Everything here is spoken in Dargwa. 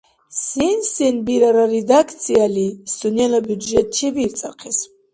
Сен-сен бирара редакцияли сунела бюджет чебирцӀахъес?